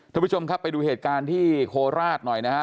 ท่านผู้ชมครับไปดูเหตุการณ์ที่โคราชหน่อยนะฮะ